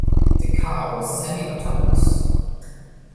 The car was semi-autonomous.